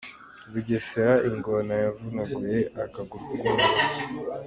Bugesera Ingona yavunaguye akaguru k’umurobyi